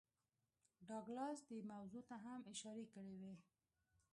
ډاګلاس دې موضوع ته هم اشارې کړې وې